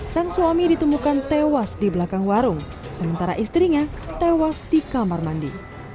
sang suami ditemukan tewas di belakang warung sementara istrinya tewas di kamar mandi